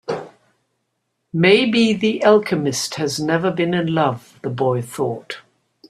Maybe the alchemist has never been in love, the boy thought.